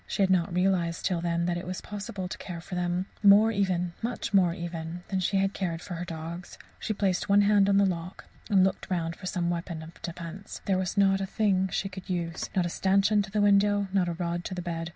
She had not realized till then that it was possible to care for them more even much more even than she had cared for her dogs. She placed one hand on the lock, and looked round for some weapon of defence. There was not a thing she could use not a stanchion to the window, not a rod to the bed.